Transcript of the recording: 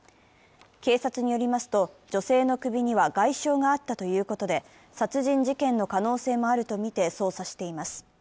警察によりますと、女性の首には外傷があったということで、殺人事件の可能性もあるとみて捜査しています。